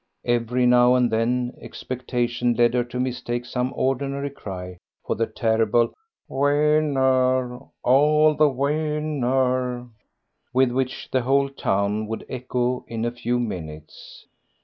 Every now and then expectation led her to mistake some ordinary cry for the terrible "Win ner, all the win ner," with which the whole town would echo in a few minutes.